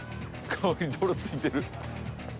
顔に泥付いてる。